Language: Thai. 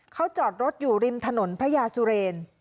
เขาจอดรถอยู่ริมถนนพระยาสุเรน